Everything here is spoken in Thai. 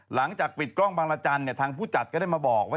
หลังจากปิดกล้องบางรจันทร์ทางผู้จัดก็ได้มาบอกว่า